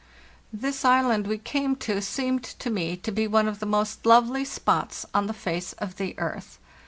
" This island* we came to seemed to me to be one of the most lovely spots on the face of the earth.